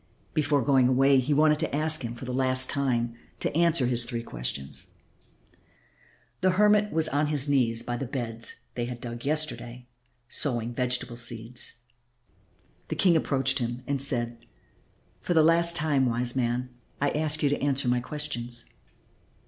Before going away he wanted to ask him for the last time to answer his three questions. The hermit was on his knees by the beds they had dug yesterday, sowing vegetable seeds. The King approached him and said, "For the last time, wise man, I ask you to answer my questions."